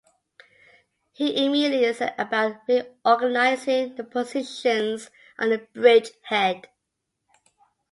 He immediately set about reorganizing the positions on the bridgehead.